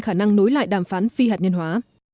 khả năng nối lại đàm phán phi hạt nhân hóa